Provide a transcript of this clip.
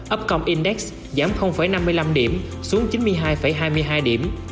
upcom index giảm năm mươi năm điểm xuống chín mươi hai hai mươi hai điểm